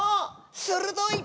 するどい！